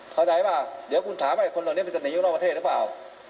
เข้าใจป่ะเดี๋ยวคุณถามว่าคนเหล่านี้มันจะหนีอยู่นอกประเทศหรือเปล่า